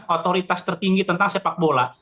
otoritas tertinggi tentang sepak bola